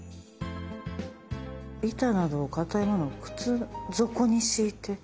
「板などの硬い物を靴底に敷いて」。